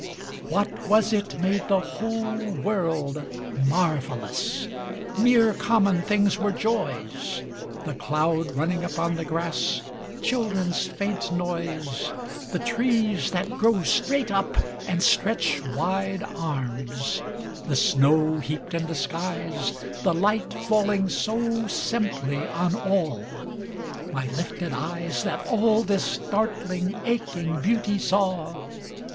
What was it made the whole world marvellous? Mere common things were joys. The cloud running upon the grass, Children's faint noise, The trees that grow straight up and stretch wide arms, The snow heaped in the skies, The light falling so simply on all; My lifted eyes That all this startling aching beauty saw?